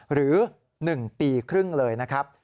หรือ๑ปีครึ่งเลยนะครับ